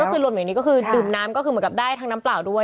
ก็คือรวมอย่างนี้ก็คือดื่มน้ำก็คือเหมือนกับได้ทั้งน้ำเปล่าด้วย